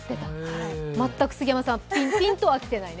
全く杉山さんはピンとはきてないね。